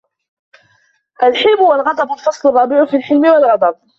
الْحِلْمُ وَالْغَضَبُ الْفَصْلُ الرَّابِعُ فِي الْحِلْمِ وَالْغَضَبِ